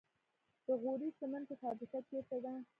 د غوري سمنټو فابریکه چیرته ده؟